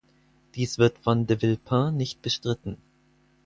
Dies wird von de Villepin nicht bestritten.